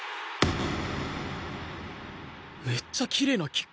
めっちゃきれいなキック！